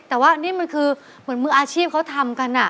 แต่ว่านี่มันคือเหมือนมืออาชีพเขาทำกัน